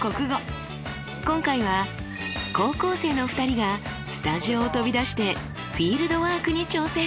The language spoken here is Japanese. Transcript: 今回は高校生の２人がスタジオを飛び出してフィールドワークに挑戦。